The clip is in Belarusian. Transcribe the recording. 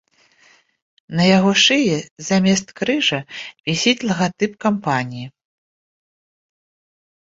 На яго шыі замест крыжа вісіць лагатып кампаніі.